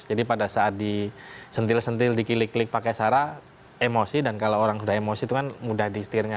jadi pada saat disentil sentil dikilik kilik pakai sara emosi dan kalau orang sudah emosi itu kan mudah diistirnya